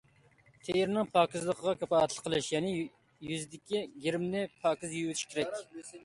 تېرىنىڭ پاكىزلىقىغا كاپالەتلىك قىلىش يەنى يۈزدىكى گىرىمنى پاكىز يۇيۇۋېتىش كېرەك.